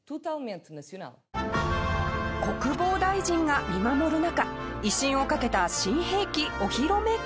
国防大臣が見守る中威信をかけた新兵器お披露目会。